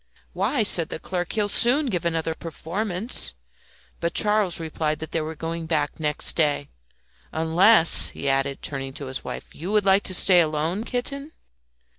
"Why," said the clerk, "he will soon give another performance." But Charles replied that they were going back next day. "Unless," he added, turning to his wife, "you would like to stay alone, kitten?"